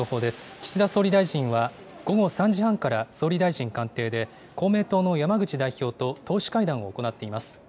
岸田総理大臣は、午後３時半から、総理大臣官邸で、公明党の山口代表と党首会談を行っています。